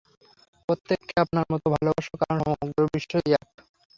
প্রত্যেককে আপনার মত ভালবাসো, কারণ সমগ্র বিশ্বই এক।